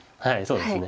はい。